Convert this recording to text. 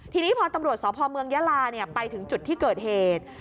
ทีนี้พอตำรวจสพเมืองยาลาไปถึงจุดที่เกิดเหตุ